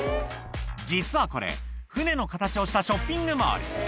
実はこれ、船の形をしたショッピングモール。